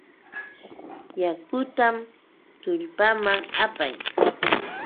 Yakutam tullpaaman apaa.